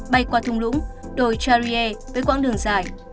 bay qua thung lũng đồi charier với quãng đường dài